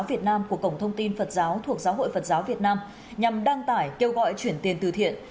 công an tp đà nẵng là một tổng thông tin phật giáo thuộc giáo hội phật giáo việt nam nhằm đăng tải kêu gọi chuyển tiền từ thiện